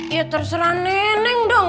iya terserah neneng dong